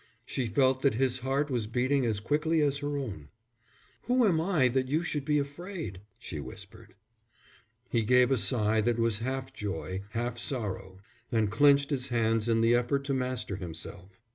She felt that his heart was beating as quickly as her own. "Who am I that you should be afraid?" she whispered. He gave a sigh that was half joy, half sorrow; and clenched his hands in the effort to master himself.